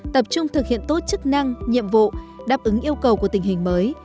tập trung thực hiện tốt chức năng nhiệm vụ đáp ứng yêu cầu của tình hình mới